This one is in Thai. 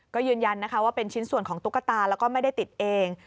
ก็ยืนยันนะคะว่าเป็นชิ้นส่วนของตุ๊กตาแล้วก็ไม่ได้ติดเอง